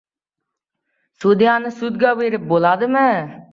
Sudyani sudga berib bo‘ladimi?